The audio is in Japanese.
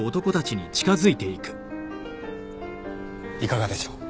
いかがでしょう。